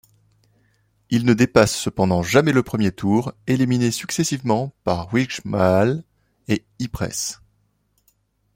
Il ne dépasse cependant jamais le premier tour, éliminé successivement par Wijgmaal et Ypres.